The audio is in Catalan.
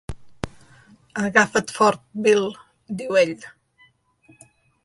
"Agafa't fort, Bill", diu ell.